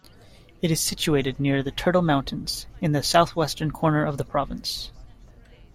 It is situated near the Turtle Mountains in the southwestern corner of the province.